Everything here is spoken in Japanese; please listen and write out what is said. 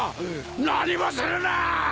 何もするな！